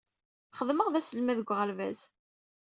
Xeddmeɣ d aselmad deg uɣerbaz.